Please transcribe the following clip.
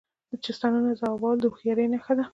د چیستانونو ځوابول د هوښیارۍ نښه ده.